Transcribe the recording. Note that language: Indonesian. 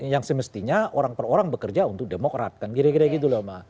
yang semestinya orang per orang bekerja untuk demokrat kan kira kira gitu loh mas